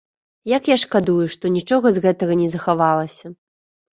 Як я шкадую, што нічога з гэтага не захавалася!